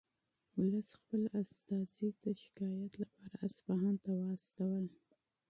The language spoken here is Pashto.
ولس خپل استازي د شکایت لپاره اصفهان ته واستول.